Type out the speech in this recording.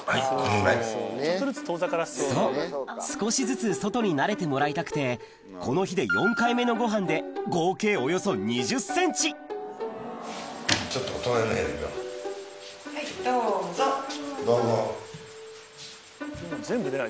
そう少しずつ外に慣れてもらいたくてこの日で４回目のごはんで合計およそ２０ｃｍはいどうぞ。